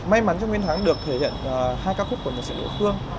may mắn cho nguyễn thắng được thể hiện hai ca khúc của nhạc sĩ đỗ phương